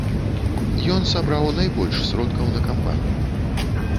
Ён сабраў найбольш сродкаў на кампанію.